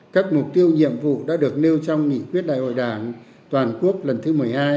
các mục tiêu nhiệm vụ đã được nêu trong nghị quyết đại hội đảng toàn quốc lần thứ một mươi hai